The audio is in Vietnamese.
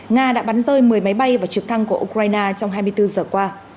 nga đã bắn rơi một mươi máy bay và trực thăng của ukraine trong hai mươi bốn giờ qua